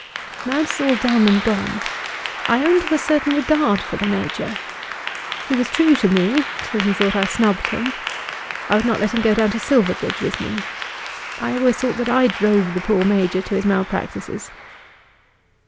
"Now it is all done and gone I own to a certain regard for the Major. He was true to me till he thought I snubbed him. I would not let him go down to Silverbridge with me. I always thought that I drove the poor Major to his malpractices."